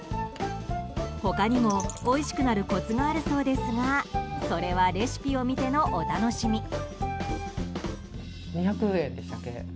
他にも、おいしくなるコツがあるそうですがそれはレシピを見てのお楽しみ。